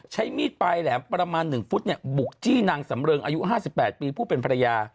ใช้มีดปลายแหลมประมาณ๑ฟุตบุกจี้นางสำเริงอายุ๕๘ปีผู้เป็นภรรยา